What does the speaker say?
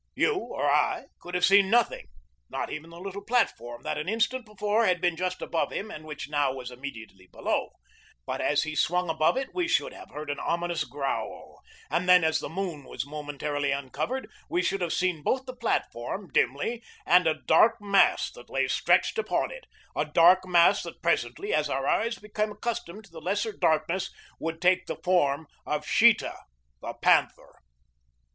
You or I could have seen nothing not even the little platform that an instant before had been just above him and which now was immediately below but as he swung above it we should have heard an ominous growl; and then as the moon was momentarily uncovered, we should have seen both the platform, dimly, and a dark mass that lay stretched upon it a dark mass that presently, as our eyes became accustomed to the lesser darkness, would take the form of Sheeta, the panther.